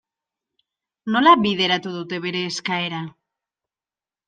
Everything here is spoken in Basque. Nola bideratu dute bere eskaera?